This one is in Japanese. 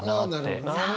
なるほどね。